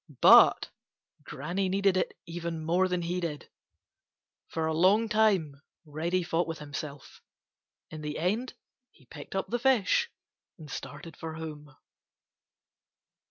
But Granny needed it even more than he did. For a long time Reddy fought with himself. In the end he picked up the fish and started for home.